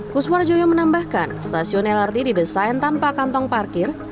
kuswar joyo menambahkan stasiun lrt didesain tanpa kantong parkir